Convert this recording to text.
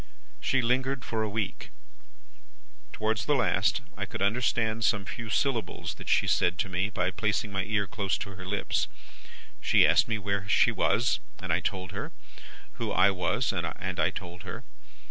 "She lingered for a week. Towards the last, I could understand some few syllables that she said to me, by placing my ear close to her lips. She asked me where she was, and I told her; who I was, and I told her.